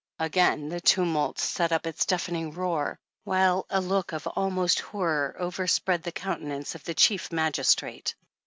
Again the tumult set up its deafening roar, while a look of almost horror overspread the countenance of the Chief Magistrate.